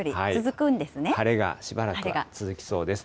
晴れがしばらく続きそうです。